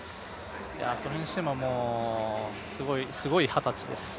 それにしても、すごい二十歳です。